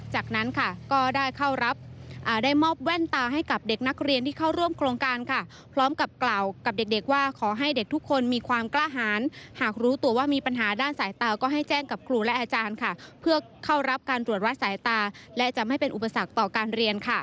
จากนั้นค่ะก็ได้มอบแว่นตาให้กับเด็กนักเรียนที่เข้าร่วมโครงการค่ะพร้อมกับกล่าวกับเด็กว่าขอให้เด็กทุกคนมีความกล้าหารหากรู้ตัวว่ามีปัญหาด้านสายตาก็ให้แจ้งกับครูและอาจารย์ค่ะเพื่อเข้ารับการตรวจวัดสายตาและจะไม่เป็นอุปสรรคต่อการเรียน